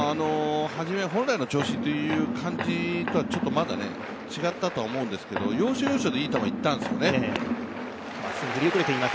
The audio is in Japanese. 初めは本来の調子という感じとはまた違ったと思いますけれども、要所要所でいい球がいったんですよね。